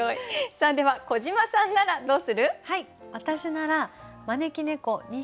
では小島さんならどうする？